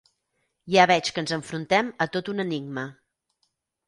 Ja veig que ens enfrontem a tot un enigma.